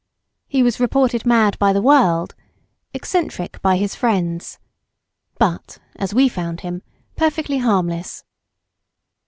He was reported mad by the world, eccentric by his friends; but, as we found him, perfectly harmless.